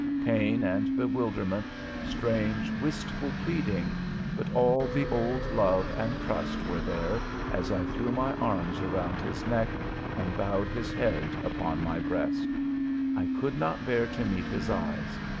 Pain and bewilderment, strange, wistful pleading, but all the old love and trust, were there as I threw my arms about his neck and bowed his head upon my breast. I could not bear to meet his eyes.